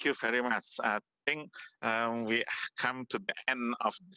saya rasa kita sudah sampai di akhir